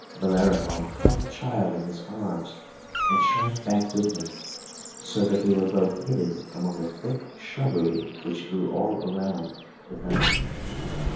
Bellerophon caught the child in his arms, and shrank back with him, so that they were both hidden among the thick shrubbery which grew all around the fountain.